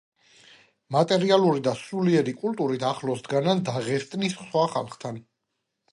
მატერიალური და სულიერი კულტურით ახლოს დგანან დაღესტნის სხვა ხალხთან.